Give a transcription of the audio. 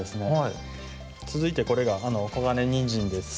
つづいてこれが「黄金にんじん」です。